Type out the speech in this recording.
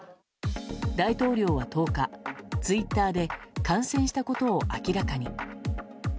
大統領は１０日、ツイッターで感染したことを明らかに。